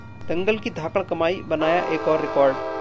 'दंगल' की धाकड़ कमाई, बनाया एक और रिकॉर्ड